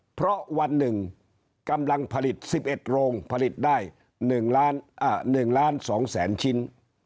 เพราะวันหนึ่งกำลังผลิต๑๑โรงผลิตได้๑ล้าน๒แสนชิ้น